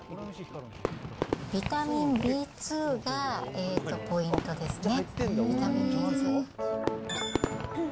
ビタミンＢ２がポイントですね。